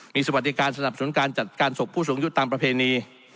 มีสวัสดิการสนับสนุนการจัดการศพผู้สูงอายุตามประเพณี